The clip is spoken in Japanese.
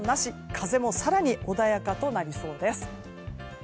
風も更に穏やかとなりそうです。